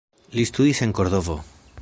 Li studis en Kordovo.